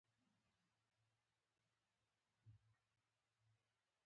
د بريژينف په وړاندې بې حوصلې نه وای.